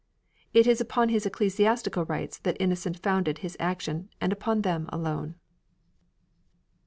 It is upon his ecclesiastical rights that Innocent founded his action and upon them alone.